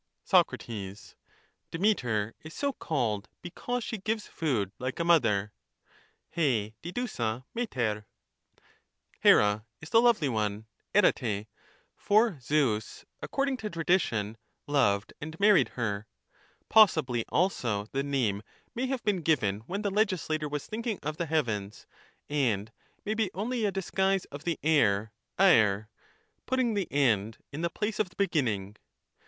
Soc. Demeter is so called because she gives food like a mother (r\ ^idovaa \ii\Tr\p) ; Here is the lovely one [epari]) — for Zeus, according to tradition, loved and married her ; possibly also the name may have been given when the legislator was thinking of the heavens, and may be only a disguise of the air {drjp), putting the end in the place of the beginning.